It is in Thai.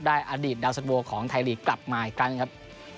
ได้อดีตดาวสะโวะของไทยลีกกลับมาอีกกันนะครับ